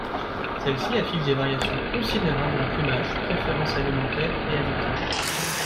Celles-ci affichent des variations considérables en plumage, préférences alimentaires et habitat.